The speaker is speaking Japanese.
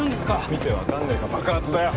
見て分かんねえか爆発だよ